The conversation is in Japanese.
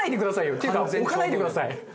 っていうか置かないでください。